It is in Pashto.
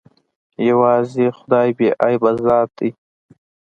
يوازې خداى بې عيبه ذات ديه.